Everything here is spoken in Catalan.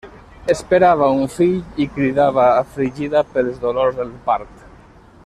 Esperava un fill i cridava afligida pels dolors del part.